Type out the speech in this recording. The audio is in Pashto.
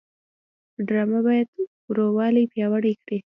ډرامه باید ورورولي پیاوړې کړي